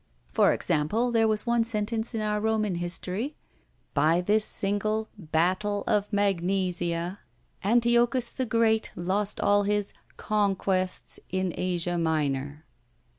For example, there was one sentence in our Roman history: "By this single battle of Magnesia, Antiochus the Great lost all his conquests in Asia Minor."